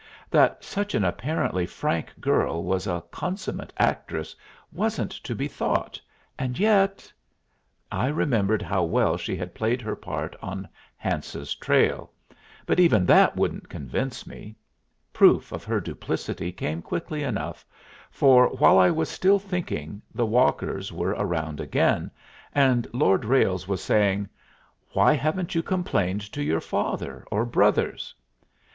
That such an apparently frank girl was a consummate actress wasn't to be thought, and yet I remembered how well she had played her part on Hance's trail; but even that wouldn't convince me. Proof of her duplicity came quickly enough, for, while I was still thinking, the walkers were round again, and Lord Ralles was saying, "Why haven't you complained to your father or brothers?"